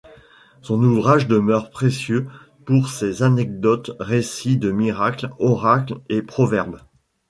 Son ouvrage demeure précieux pour ses anecdotes, récits de miracles, oracles et proverbes.